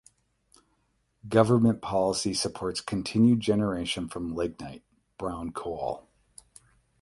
Government policy supports continued generation from lignite (brown coal).